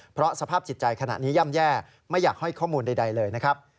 เพราะสภาพจิตใจขณะนี้ย่ำแย่ไม่อยากให้ข้อมูลใดเลยนะครับ